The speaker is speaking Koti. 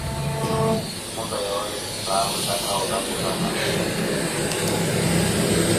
Khumuza yorri paapa ontaka wuuttakulana.